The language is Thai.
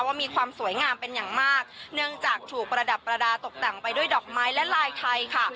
ว่ามีความสวยงามเป็นอย่างมากเนื่องจากถูกประดับประดาษตกแต่งไปด้วยดอกไม้และลายไทยค่ะ